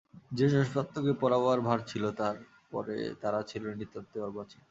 যে-সব ছাত্রকে পড়াবার ভার ছিল তাঁর ' পরে তারা ছিল নিতান্তই অর্বাচীন।